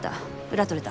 裏取れた。